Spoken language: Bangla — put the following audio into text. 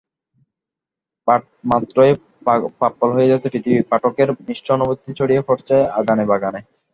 পাঠমাত্রই পার্পল হয়ে যাচ্ছে পৃথিবী, পাঠকের মিশ্র অনুভূতি ছড়িয়ে পড়ছে আগানে-বাগানে।